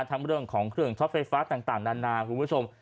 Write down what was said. ทั้งเรื่องของเครื่องช็อตไฟฟ้าต่างนานาคุณผู้ชม